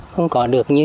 không có được như